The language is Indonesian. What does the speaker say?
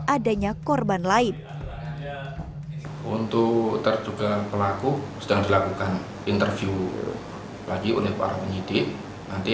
adanya korban lain untuk terduga pelaku sedang dilakukan interview lagi unit para penyidik nanti